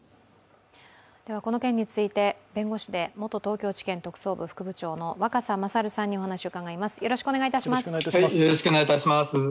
この件について弁護士で元東京地検特捜部副部長の若狭勝さんにお話を伺います。